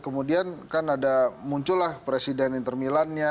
kemudian kan ada muncul lah presiden inter milan nya